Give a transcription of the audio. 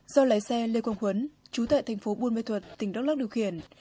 do lái xe lê quang huấn trú tại tp buôn mê thuật tỉnh đắk lắc điều khiển